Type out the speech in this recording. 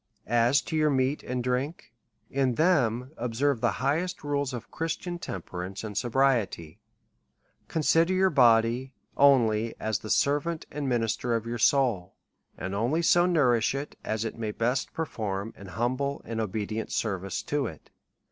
As to your meat and drink, in them observe the highest rules of Christian temperance and sobriety ; consider your body only as the servant and minister of your soul ; and only so nourish it, as it may best per form an humble and obedient service to it.